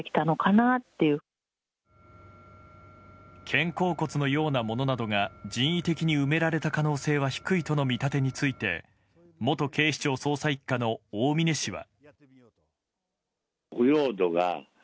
肩甲骨のようなものなどが人為的に埋められた可能性は低いとの見立てについて元警視庁捜査１課の大峯氏は。